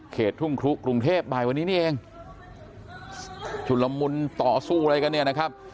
ทุ่งครุกรุงเทพบ่ายวันนี้นี่เองชุดละมุนต่อสู้อะไรกันเนี่ยนะครับ